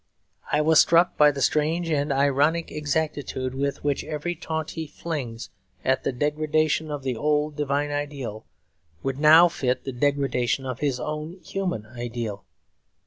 I was struck by the strange and ironic exactitude with which every taunt he flings at the degradation of the old divine ideal would now fit the degradation of his own human ideal.